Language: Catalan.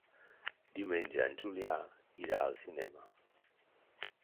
Diumenge en Julià irà al cinema.